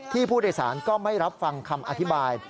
ผู้โดยสารก็ไม่รับฟังคำอธิบาย